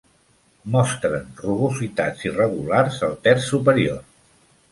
Mostren rugositats irregulars al terç superior.